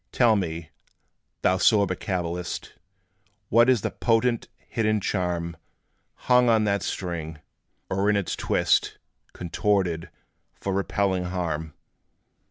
Tell me, thou sober cabalist, What is the potent, hidden charm Hung on that string, or in its twist Contorted, for repelling harm?